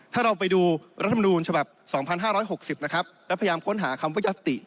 ถ้าเราไปดูรัฐมนูญฉบับ๒๕๖๐นะครับและพยายามค้นหาคำว่ายัตติ